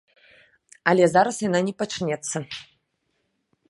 Але зараз яна не пачнецца.